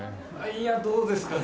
いやどうですかね？